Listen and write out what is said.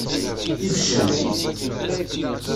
Ibeccan.